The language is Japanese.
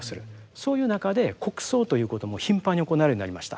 そういう中で国葬ということも頻繁に行われるようになりました。